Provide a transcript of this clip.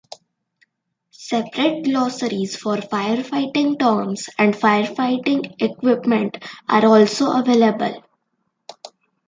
Separate glossaries for firefighting terms and firefighting equipment are also available.